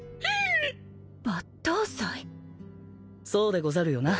そうでござるよな？